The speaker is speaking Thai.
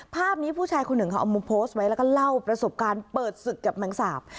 ภาพนี้ผู้ชายคนหนึ่งเขาเอามาโพสต์ไว้แล้วก็เล่าประสบการณ์เปิดศึกกับแมงสาป